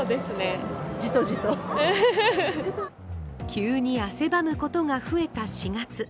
急に汗ばむことが増えた４月。